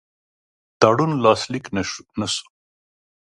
تړون لاسلیک نه سو.